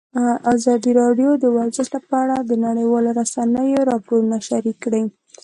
ازادي راډیو د ورزش په اړه د نړیوالو رسنیو راپورونه شریک کړي.